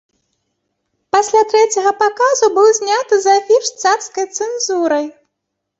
Пасля трэцяга паказу быў зняты з афіш царскай цэнзурай.